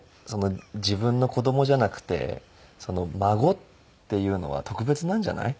自分の子供じゃなくて孫っていうのは特別なんじゃない？